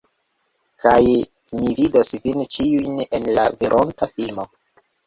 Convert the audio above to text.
Kaj mi vidos vin ĉiujn en la veronta filmo.